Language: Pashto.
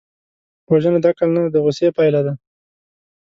وژنه د عقل نه، د غصې پایله ده